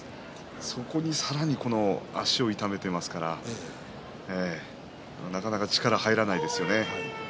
そこにさらに足を痛めていますからなかなか力が入らないんですよね。